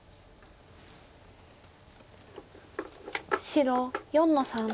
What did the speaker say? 白４の三。